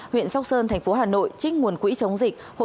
huyện sóc sơn thành phố hà nội trích nguồn quỹ chống dịch